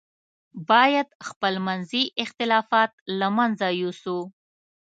باید خپل منځي اختلافات له منځه یوسو.